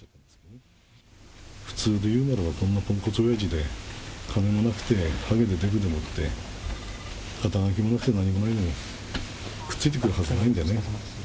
普通で言うなら、こんなポンコツ親父で、金もなくて、ハゲでデブでもって、肩書も何もないのにくっついてくるはずないんでね。